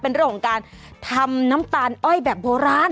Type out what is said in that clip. เป็นเรื่องของการทำน้ำตาลอ้อยแบบโบราณ